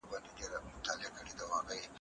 خپلې ژبې ته پام وکړئ.